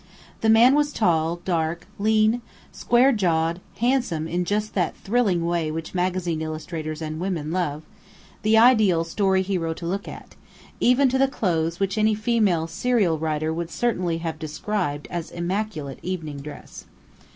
The man was tall, dark, lean, square jawed, handsome in just that thrilling way which magazine illustrators and women love; the ideal story hero to look at, even to the clothes which any female serial writer would certainly have described as "immaculate evening dress."